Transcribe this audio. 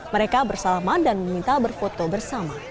mereka bersalaman dan meminta berfoto bersama